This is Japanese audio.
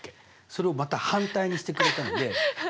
それをまた反対にしてくれたのでハハハ。